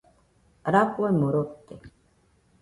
Rafuemo rote.